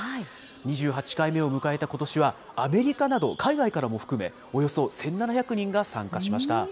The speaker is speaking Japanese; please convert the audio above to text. ２８回目を迎えたことしは、アメリカなど海外からも含め、およそ１７００人が参加しました。